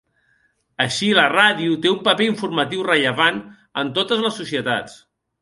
Així, la ràdio, té un paper informatiu rellevant en totes les societats.